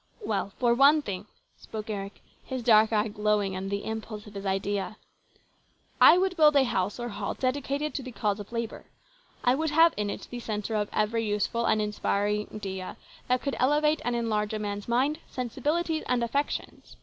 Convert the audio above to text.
" Well, for one thing," spoke Eric, his dark eye PLANS GOOD AND BAD. 175 glowing under the impulse of his idea, " I would build a house or hall dedicated to the cause of labour. I would have in it the centre of every useful and inspiring idea that could elevate and enlarge a man's mind, sensibilities, and affections.